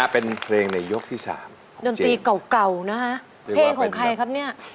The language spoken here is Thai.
เป็นเพลงในยกที่สามดนตรีเก่านะฮะเพลงของใครครับเนี่ย